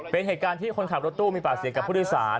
เป็นเหตุการณ์ที่คนขับรถตู้มีปากเสียงกับผู้โดยสาร